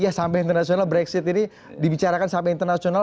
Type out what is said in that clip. ya sampai internasional brexit ini dibicarakan sampai internasional